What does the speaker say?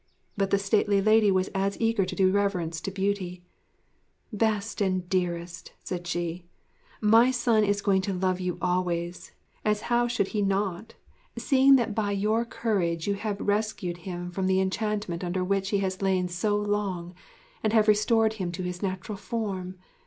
But the stately lady was as eager to do reverence to Beauty. 'Best and dearest,' said she, 'my son is going to love you always; as how should he not, seeing that by your courage you have rescued him from the enchantment under which he has lain so long, and have restored him to his natural form?